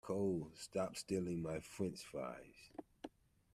Cole, stop stealing my french fries!